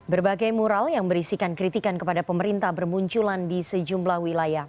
berbagai mural yang berisikan kritikan kepada pemerintah bermunculan di sejumlah wilayah